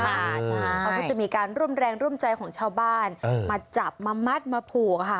เขาก็จะมีการร่วมแรงร่วมใจของชาวบ้านมาจับมามัดมาผูกค่ะ